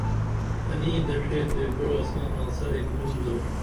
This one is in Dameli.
تنی دڇھے تے گوعہ ساں آنسہ ایک لُوم درو